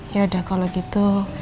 yaudah kalau gitu